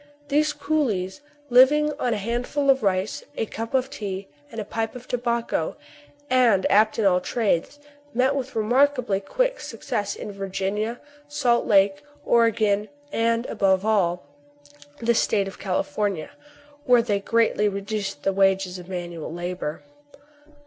These coolies, living on a hand ful of rice, a cup of tea, and a pipe of tobacco, and apt at all trades, met with remarkably quick suc cess in Virginia, Salt Lake, Oregon, and, above all, the State of California, where they greatly reduced the wages of manual labor.